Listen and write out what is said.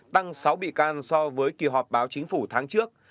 tăng sáu bị can so với kỳ họp báo chính phủ tháng trước